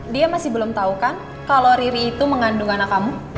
dia masih belum tahu kan kalau riri itu mengandung anak kamu